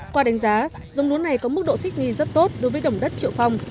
qua đánh giá dống lúa này có mức độ thích nghi rất tốt đối với đồng đất triệu phong